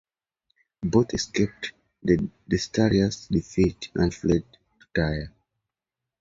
Both escaped the disastrous defeat and fled to Tyre.